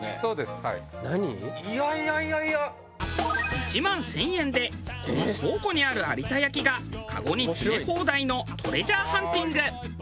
１万１０００円でこの倉庫にある有田焼がカゴに詰め放題のトレジャーハンティング。